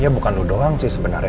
ya bukan lu doang sih sebenarnya